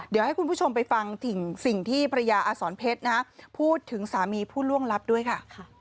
เดี๋ยวให้คุณผู้ชมไปฟังสิ่งที่ภรรยาอสรเพชรพูดถึงสามีผู้ล่วงลับด้วยค่ะ